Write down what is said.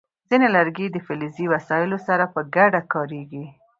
ځینې لرګي د فلزي وسایلو سره په ګډه کارېږي.